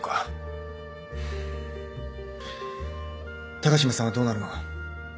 高島さんはどうなるの？